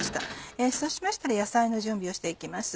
そうしましたら野菜の準備をして行きます。